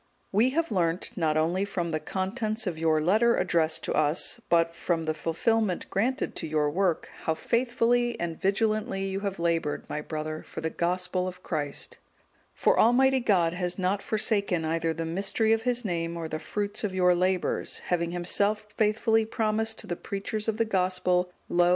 _ We have learnt not only from the contents of your letter addressed to us, but from the fulfilment granted to your work, how faithfully and vigilantly you have laboured, my brother, for the Gospel of Christ; for Almighty God has not forsaken either the mystery of His Name, or the fruit of your labours, having Himself faithfully promised to the preachers of the Gospel, 'Lo!